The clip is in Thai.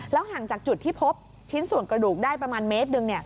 ห่างจากจุดที่พบชิ้นส่วนกระดูกได้ประมาณเมตรหนึ่ง